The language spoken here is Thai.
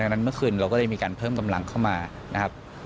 ดังนั้นเมื่อคืนเราก็เลยมีการเพิ่มกำลังเข้ามานะครับ